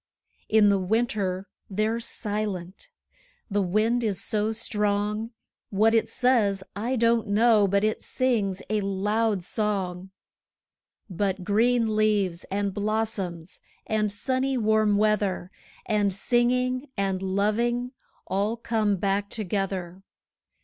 In the winter they're silent the wind is so strong; What it says, I don't know, but it sings a loud song. But green leaves, and blossoms, and sunny warm weather, 5 And singing, and loving all come back together.